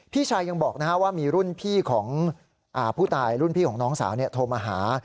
พี่ชายยังบอกว่ามีรุ่นพี่ของผู้ตายรุ่นพี่ของน้องสาวโทรมาหา